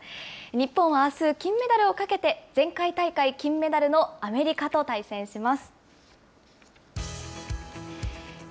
日本はあす、金メダルを懸けて前回大会金メダルのアメリカと対戦します。